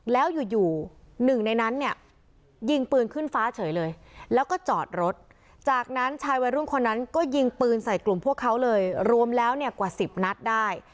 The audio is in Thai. แล้วอยู่อยู่หนึ่งในนั้นเนี่ยยิงปืนขึ้นฟ้าเฉยเลยแล้วก็จอดรถจากนั้นชายวัยรุ่นคนนั้นก็ยิงปืนใส่กลุ่มพวกเขาเลยรวมแล้วเนี่ยกว่า๑๐นัดได้